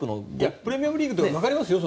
プレミアリーグとか分かりますよ。